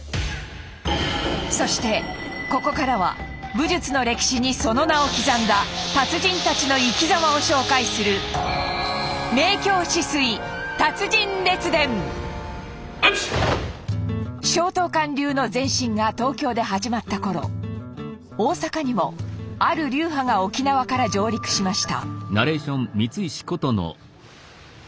そしてここからは武術の歴史にその名を刻んだ達人たちの生きざまを紹介する松濤館流の前身が東京で始まった頃大阪にもある流派が沖縄から上陸しました。